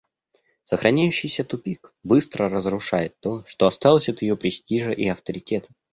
Сохраняющийся тупик быстро разрушает то, что осталось от ее престижа и авторитета.